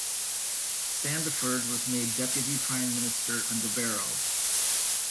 Sandiford was made Deputy Prime Minister under Barrow.